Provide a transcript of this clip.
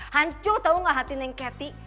hancur tau gak hati neng kety